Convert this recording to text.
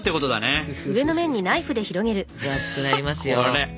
ふふふ分厚くなりますよ。